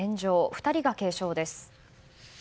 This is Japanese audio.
２人が軽傷です。